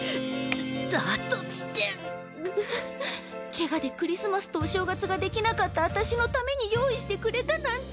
ケガでクリスマスとお正月ができなかった私のために用意してくれたなんて。